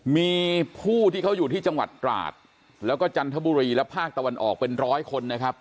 มีผู้ที่เขาอยู่ที่จังหวัดตราดแล้วก็จันทบุรีและภาคตะวันออกเป็นร้อยคนนะครับ